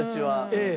ええ。